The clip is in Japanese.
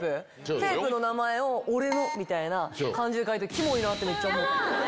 テープの名前を、オレのみたいな感じで書いて、きもいなってめっちゃ思った。